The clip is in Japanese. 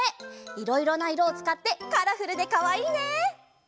いろいろないろをつかってカラフルでかわいいね！